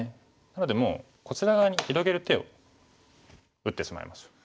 なのでもうこちら側に広げる手を打ってしまいましょう。